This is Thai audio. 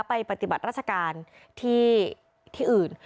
ปฏิบัติราชการที่อื่น